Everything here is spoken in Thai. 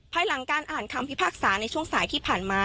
ภายหลังการอ่านคำพิพากษาในช่วงสายที่ผ่านมา